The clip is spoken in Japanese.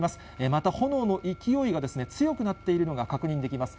また炎の勢いが強くなっているのが確認できます。